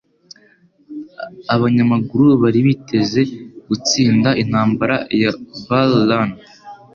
Abanyamajyaruguru bari biteze gutsinda Intambara ya Bull Run.